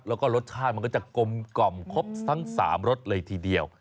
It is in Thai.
แล้วก็รสชาติมันก็จะกลมกล่อมครบทั้ง๓รสเลยทีเดียว